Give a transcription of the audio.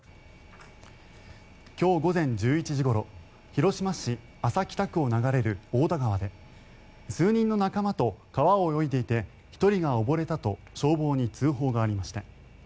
今日午前１１時ごろ広島市安佐北区を流れる太田川で数人の仲間と川を泳いでいて１人が溺れたと消防に通報がありました。